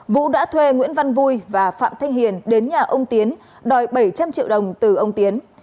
vũ đã thuê nguyễn văn vui và phạm thanh hiền đến nhà ông tiến đòi bảy trăm linh triệu đồng từ ông tiến